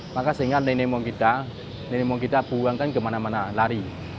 maka sehingga nenek mohon kita nenek mohon kita buang kan kemana mana lari